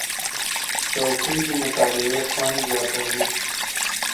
چوکۍ د مطالعې خوند زیاتوي.